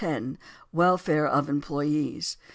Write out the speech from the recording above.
10, "Welfare of Employees."